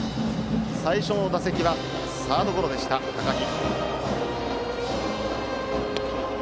最初の打席はサードゴロの高陽。